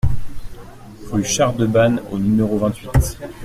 Rue Char de Ban au numéro vingt-huit